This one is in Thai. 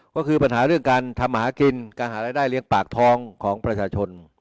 ก็คือปัญหาเรื่องการทำหากินการหารายได้เลี้ยงปากท้องของประชาชน